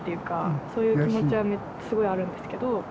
そういう気持ちはすごいあるんですけど。